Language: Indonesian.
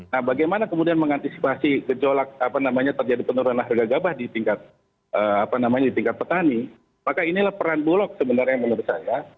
nah bagaimana kemudian mengantisipasi gejolak apa namanya terjadi penurunan harga gabah di tingkat petani maka inilah peran bulog sebenarnya menurut saya